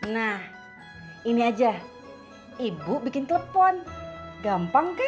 nah ini aja ibu bikin telepon gampang kah